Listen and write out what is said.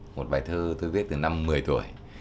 một bài thơ tôi viết từ năm một mươi tuổi